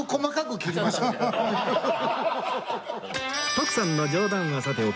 徳さんの冗談はさておき